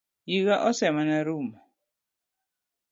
Iga ose mana rumo